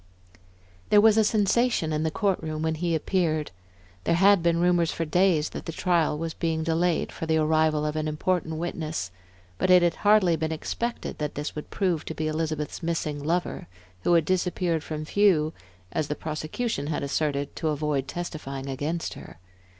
There was a sensation in the court room when he appeared. There had been rumors for days that the trial was being delayed for the arrival of an important witness, but it had hardly been expected that this would prove to be Elizabeth's missing lover, who had disappeared from view, as the prosecution had asserted, to avoid testifying against her.